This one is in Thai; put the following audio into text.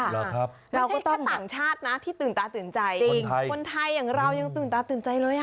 เราก็แค่ต่างชาตินะที่ตื่นตาตื่นใจจริงคนไทยอย่างเรายังตื่นตาตื่นใจเลยอ่ะ